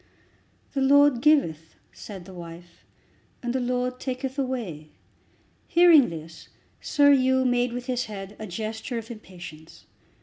"The Lord giveth," said the wife, "and the Lord taketh away." Hearing this Sir Hugh made with his head a gesture of impatience.